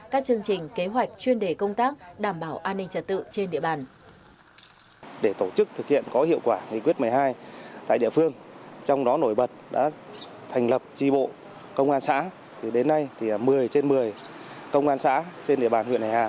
các chương trình kế hoạch chuyên đề công tác đảm bảo an ninh trật tự trên địa bàn